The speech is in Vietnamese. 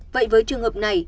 vậy với trường hợp này